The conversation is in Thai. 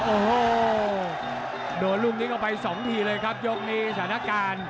โอ้โหโดนลูกนี้เข้าไปสองทีเลยครับยกนี้สถานการณ์